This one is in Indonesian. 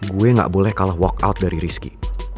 gue gak boleh kalah walk out dari rizky